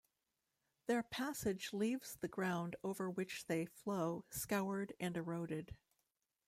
Their passage leaves the ground over which they flow scoured and eroded.